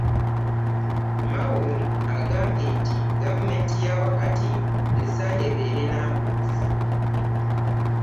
Mao agambye nti gavumenti ya wakati esaanye ebeere nnambulukufu